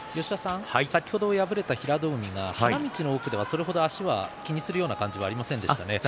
先ほど敗れた平戸海は花道の奥ではそれ程足を気にする様子はありませんでしたね。